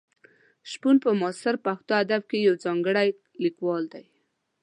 شپون په معاصر پښتو ادب کې یو ځانګړی لیکوال دی.